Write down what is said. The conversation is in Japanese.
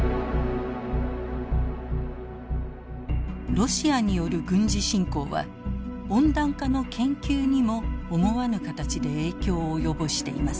ロシアによる軍事侵攻は温暖化の研究にも思わぬ形で影響を及ぼしています。